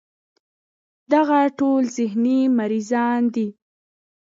دغه ټول ذهني مريضان دي